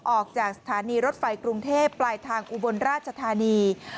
ออกจากสถานีรถไฟกรุงเทพปลายทางอุบลราชธานี